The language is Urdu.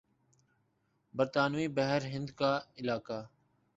برطانوی بحر ہند کا علاقہ